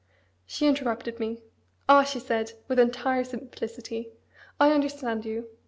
She interrupted me: "Ah!" she said, with entire simplicity, "I understand you.